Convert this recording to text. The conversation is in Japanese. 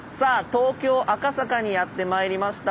東京・赤坂にやってまいりました。